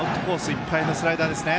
いっぱいのスライダーですね。